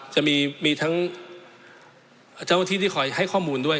จะมีทั้งเจ้าหน้าที่ที่คอยให้ข้อมูลด้วย